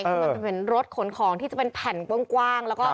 มันเป็นรถขนของที่จะเป็นแผ่นกว้าง